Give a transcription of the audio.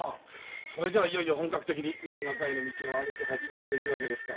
それじゃいよいよ本格的にまんが家への道を歩き始めるというわけですか。